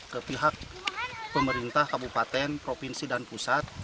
ke pihak pemerintah kabupaten provinsi dan pusat